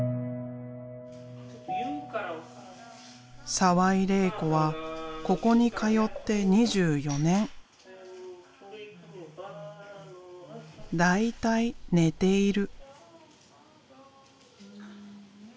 澤井玲衣子はここに通って２４年。大体寝ている。